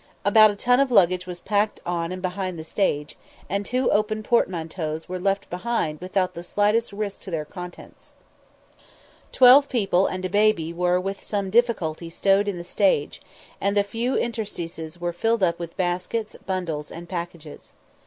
About a ton of luggage was packed on and behind the stage, and two open portmanteaus were left behind without the slightest risk to their contents. Twelve people and a baby were with some difficulty stowed in the stage, and the few interstices were filled up with baskets, bundles, and packages.